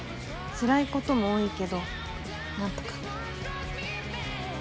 つらいことも多いけどなんとか。